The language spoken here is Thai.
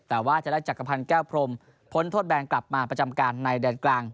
แต่ว่าจะได้จักรพันธ์แก้วพรมพ้นโทษแบนกลับมาประจำการในแดนกลาง